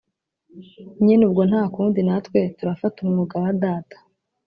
nyine ubwo ntakundi natwe turafata umwuga wa data